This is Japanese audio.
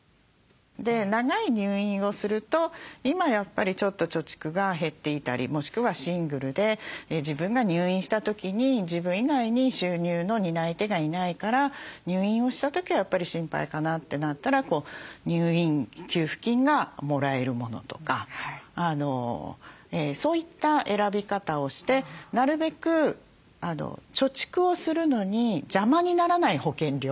長い入院をすると今やっぱりちょっと貯蓄が減っていたりもしくはシングルで自分が入院した時に自分以外に収入の担い手がいないから入院をした時はやっぱり心配かなってなったら入院給付金がもらえるものとかそういった選び方をしてなるべく貯蓄をするのに邪魔にならない保険料。